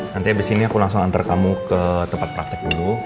nanti abis ini aku langsung antar kamu ke tempat praktek dulu